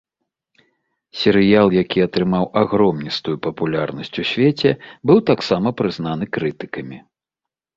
Серыял, які атрымаў агромністую папулярнасць у свеце, быў таксама прызнаны крытыкамі.